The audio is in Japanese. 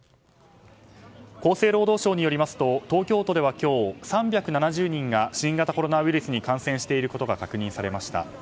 厚生労働省によりますと東京都では今日３７０人が新型コロナウイルスに感染していることが確認されました。